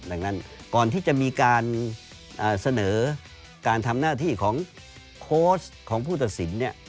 ดังนั้นก่อนที่จะมีการเสนอการทำหน้าที่ของโค้ชของผู้ตัดสินเนี่ย